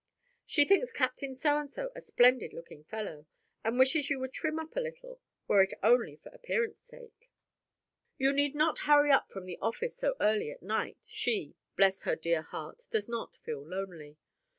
She thinks Captain So and So a splendid looking fellow, and wishes you would trim up a little, were it only for appearance' sake. You need not hurry up from the office so early at night, she, bless her dear heart! does not feel lonely.